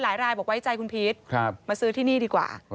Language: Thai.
รายบอกไว้ใจคุณพีชมาซื้อที่นี่ดีกว่า